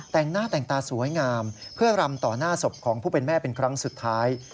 แต่งหน้าแต่งตาสวยงามเพื่อรำต่อหน้าศพของผู้เป็นแม่เป็นครั้งสุดท้าย